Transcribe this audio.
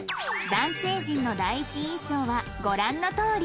男性陣の第一印象はご覧のとおり